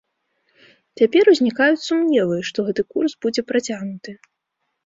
Цяпер узнікаюць сумневы, што гэты курс будзе працягнуты.